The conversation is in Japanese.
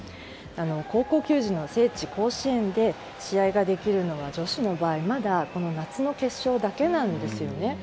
高校球児の聖地・甲子園で試合ができるのは女子の場合、まだ夏の決勝だけなんですよね。